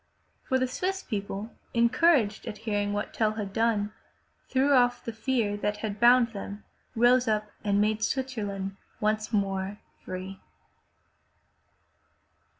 For the Swiss people, encouraged at hearing what Tell had done, threw off the fear that had bound them, rose up and made Switzerland once more free.